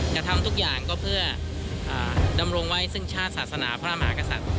จะทำทุกอย่างก็เพื่อดำรงไว้ซึ่งชาติศาสนาพระมหากษัตริย์